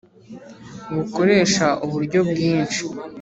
bukoresha uburyo bwinshi